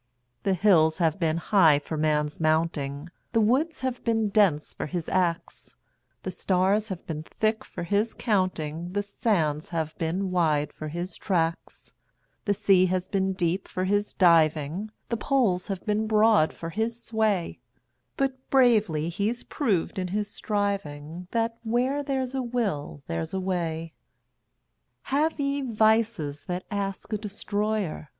The hills have been high for man's mounting, The woods have been dense for his axe, The stars have been thick for his counting, The sands have been wide for his tracks, The sea has been deep for his diving, The poles have been broad for his sway, But bravely he's proved in his sriving, That "Where there's a will there's a way." Have ye vices that ask a destroyer?